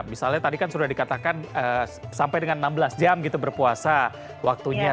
misalnya tadi kan sudah dikatakan sampai dengan enam belas jam gitu berpuasa waktunya